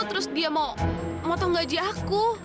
terus dia mau motong gaji aku